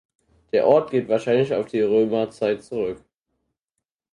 Der Ort geht wahrscheinlich auf die Römerzeit zurück.